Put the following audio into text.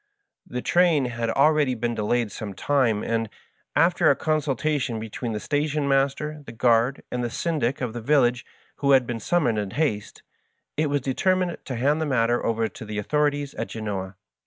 The train had al ready been delayed some time, and, after a consultation between the station master, the guard, and the syndic of the village, who had been summoned in haste, it was determined to hand the matter over to the authorities at Genoa.